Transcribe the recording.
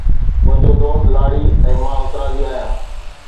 منھنجو دوست لاڙي ۽ مان اترادي آھيان.